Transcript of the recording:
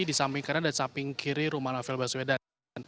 di samping kanan dan samping kiri rumah novel baswedan